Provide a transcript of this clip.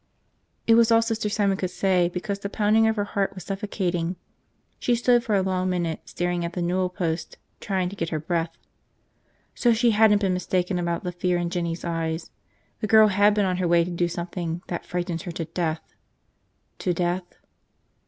It was all Sister Simon could say because the pounding of her heart was suffocating. She stood for a long minute staring at the newel post, trying to get her breath. So she hadn't been mistaken about the fear in Jinny's eyes. The girl had been on her way to do something that frightened her to death. .... To death?